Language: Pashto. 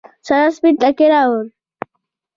سارا سپين ټکی راووړ.